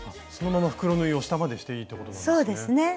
そのまま袋縫いを下までしていいっていうことなんですね。